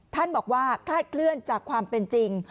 ท่านบอกว่าคลาดเคลื่อนจากความเป็นจริง